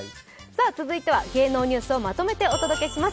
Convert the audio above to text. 続いては芸能ニュースをまとめてお伝えします。